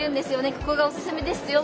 ここがおすすめですよ」。